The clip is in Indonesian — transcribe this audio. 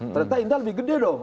ternyata indah lebih gede dong